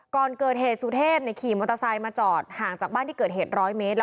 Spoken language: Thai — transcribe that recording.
ก่อนเกิดเหตุสุเทพขี่มอเตอร์ไซค์มาจอดห่างจากบ้านที่เกิดเหตุ๑๐๐เมตร